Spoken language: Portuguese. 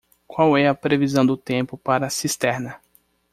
Qual é a previsão do tempo para Cisterna?